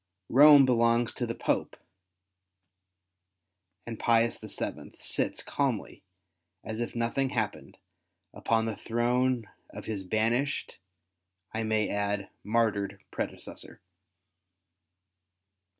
Rome belongs to the Pope^ and Pius VII. sits calmly, as if nothing happened, upon the throne of his banished, I may add, martyred predecessor.